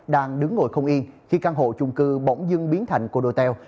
đang đứng ngồi không yên khi căn hộ chung cư bỗng dưng biến thành của đôi teo